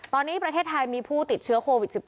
ตอนนี้ประเทศไทยมีผู้ติดเชื้อโควิด๑๙